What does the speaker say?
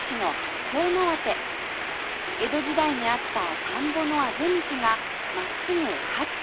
江戸時代にあった田んぼのあぜ道が真っすぐ八丁